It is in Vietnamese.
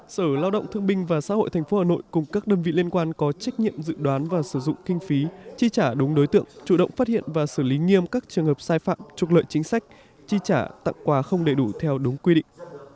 sở lao động thương binh và xã hội tp hà nội cùng các đơn vị liên quan có trách nhiệm dự đoán và sử dụng kinh phí chi trả đúng đối tượng chủ động phát hiện và xử lý nghiêm các trường hợp sai phạm trục lợi chính sách chi trả tặng quà không đầy đủ theo đúng quy định